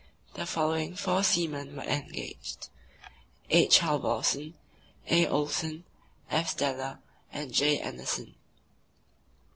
the following four seamen were engaged: H. Halvorsen, A. Olsen, F. Steller, and J. Andersen.